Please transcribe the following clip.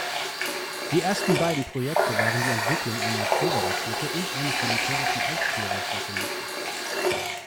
Die ersten beiden Projekte waren die Entwicklung einer Trägerrakete und eines militärischen Aufklärungssatelliten.